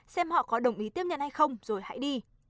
xem họ có đồng ý tiếp nhận hay không rồi hãy đi